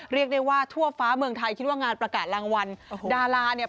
เรียกได้ว่าทั่วฟ้าเมืองไทยคิดว่างานประกาศรางวัลดาราเนี่ย